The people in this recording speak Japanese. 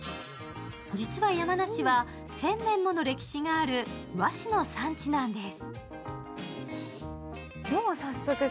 実は山梨は１０００年もの歴史がある和紙の産地なんです。